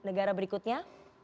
di negara berikutnya